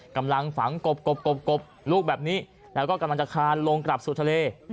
กำลังฝังกบลูกแบบนี้แล้วก็กำลังจะคานลงกลับสู่ทะเล